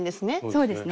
そうですね